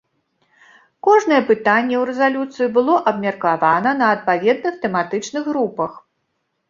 Кожнае пытанне ў рэзалюцыі было абмеркавана на адпаведных тэматычных групах.